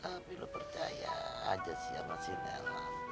tapi lu percaya aja sih sama si nelan